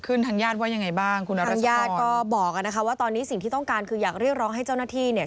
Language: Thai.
คืออยากเรียกร้องให้เจ้าหน้าที่เนี่ย